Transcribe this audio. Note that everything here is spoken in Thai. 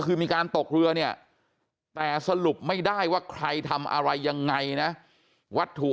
คือมีการตกเรือเนี่ยแต่สรุปไม่ได้ว่าใครทำอะไรยังไงนะวัตถุ